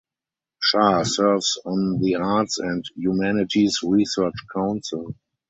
Shah serves on the Arts and Humanities Research Council.